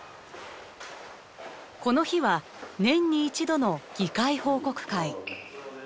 この日は年に一度の議会報告会。